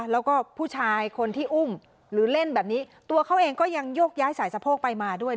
แล้วก็ผู้ชายคนที่อุ้มหรือเล่นแบบนี้ตัวเขาเองก็ยังโยกย้ายสายสะโพกไปมาด้วย